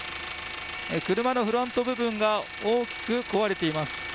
車のフロント部分が大きく壊れています。